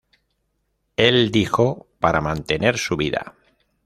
Él dijo; "para mantener su vida".